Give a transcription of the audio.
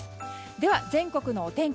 では全国のお天気